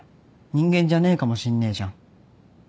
人間じゃねえかもしんねえじゃん。